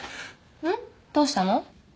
どうしたの？